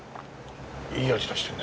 いい味出してるね。